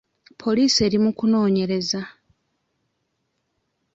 Poliisi eri mu kunoonyereza.